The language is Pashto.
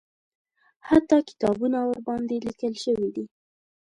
حتی کتابونه ورباندې لیکل شوي دي.